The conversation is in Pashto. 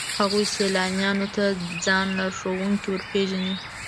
هغوی سیلانیانو ته ځان لارښوونکي ورپېژني.